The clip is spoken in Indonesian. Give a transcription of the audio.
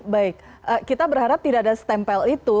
baik kita berharap tidak ada stempel itu